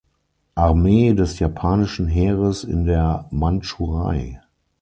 Armee des japanischen Heeres in der Mandschurei.